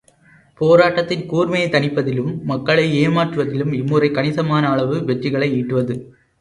போராட்டத்தின் கூர்மையைத் தனிப்பதிலும், மக்களை ஏமாற்றுவதிலும் இம்முறை கணிசமானளவு வெற்றிகளை ஈட்டுவது.